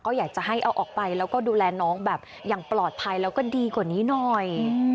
ก็อยากจะให้เอาออกไปแล้วก็ดูแลน้องแบบอย่างปลอดภัยแล้วก็ดีกว่านี้หน่อย